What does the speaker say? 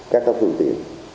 các cấp thư tiện